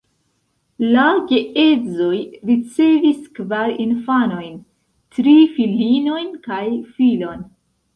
La geedzoj ricevis kvar infanojn: tri filinojn kaj filon.